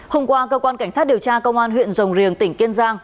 hôm qua cơ quan cảnh sát điều tra công an huyện rồng riềng tỉnh kiên giang